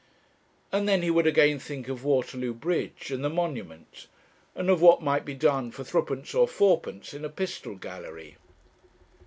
And then he would again think of Waterloo Bridge, and the Monument, and of what might be done for threepence or fourpence in a pistol gallery.